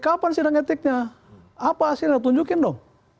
kapan sidang etiknya apa hasilnya tunjukin dong